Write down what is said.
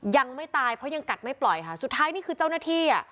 ยังไม่ตายเพราะยังกัดไม่ปล่อยค่ะสุดท้ายนี่คือเจ้าหน้าที่อ่ะ